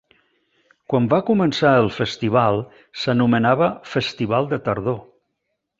Quan va començar el festival s'anomenava "Festival de Tardor".